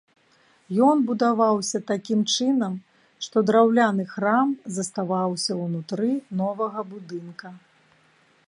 Ён будаваўся такім чынам, што драўляны храм заставаўся ўнутры новага будынка.